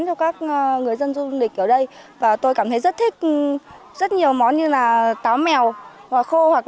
cho các người dân du lịch ở đây và tôi cảm thấy rất thích rất nhiều món như là táo mèo hoặc khô hoặc